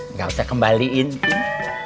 nggak usah kembaliin tin